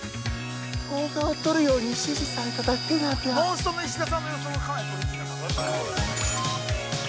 ◆動画を撮るように指示されただけなんだ。